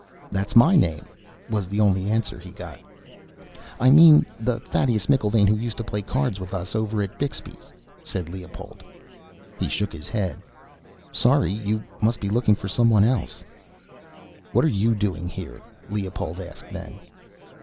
"'That's my name,' was the only answer he got. "'I mean the Thaddeus McIlvaine who used to play cards with us over at Bixby's,' said Leopold. "He shook his head. 'Sorry, you must be looking for someone else.' "'What're you doing here?' Leopold asked then.